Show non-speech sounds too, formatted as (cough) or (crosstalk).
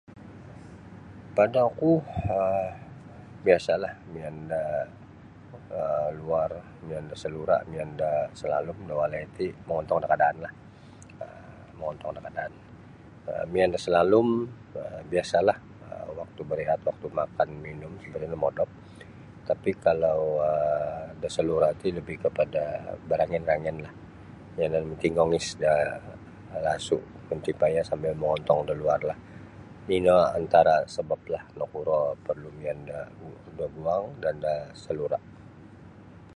Pada oku um biasalah mian da luar mian da salura mian da salalum da walai ti mongontong da kadaan lah um mongontong da kadaan um mian da salalum biasalah um waktu berehat, waktu makan minum (unintelligible) modop tapi um kalau um da salura ti lebih kepada berangin-rangin lah yanan matingongis da lasu mantipayah sambil mongontong da luar lah ino antara sabablah nakuro perlu mian da guang dan da salura.